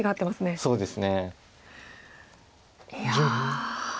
そうですね。